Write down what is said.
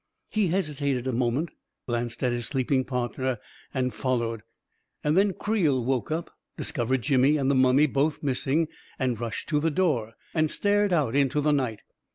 He hesitated a moment, glanced at his sleeping partner, and followed. And then Creel woke up, discovered Jimmy and the mummy both missing, and rushed to the door, and stared out into the night.